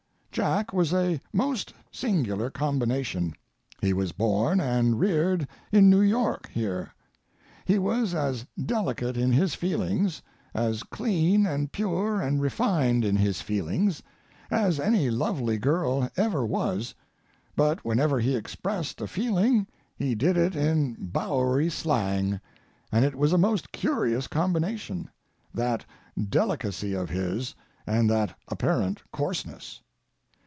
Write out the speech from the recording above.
Jack was a most singular combination. He was born and reared in New York here. He was as delicate in his feelings, as clean and pure and refined in his feelings as any lovely girl that ever was, but whenever he expressed a feeling he did it in Bowery slang, and it was a most curious combination—that delicacy of his and that apparent coarseness.